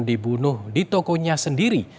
dibunuh di tokonya sendiri